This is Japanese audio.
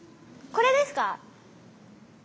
「これ」です。